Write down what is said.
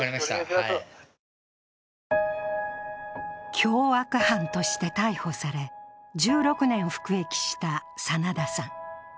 凶悪犯として逮捕され、１６年、服役した真田さん。